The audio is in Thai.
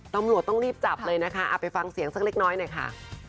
ตำรวจต้องรีบจับเลยนะคะเอาไปฟังเสียงสักเล็กน้อยหน่อยค่ะ